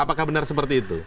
apakah benar seperti itu